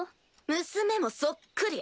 娘もそっくり。